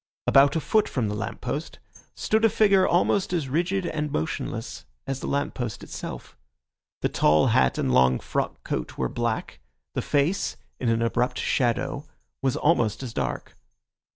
About a foot from the lamp post stood a figure almost as rigid and motionless as the lamp post itself. The tall hat and long frock coat were black; the face, in an abrupt shadow, was almost as dark.